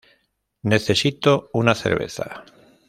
necesito una cerveza